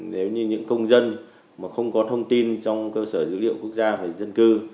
nếu như những công dân mà không có thông tin trong cơ sở dữ liệu quốc gia về dân cư